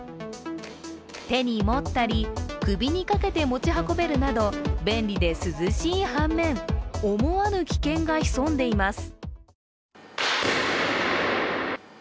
手に持ったり首にかけて持ち運べるなど便利で涼しい反面、思わぬ危険が潜んでいます。